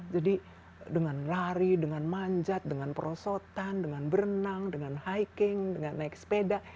jadi dengan lari dengan manjat dengan perosotan dengan berenang dengan hiking dengan naik sepeda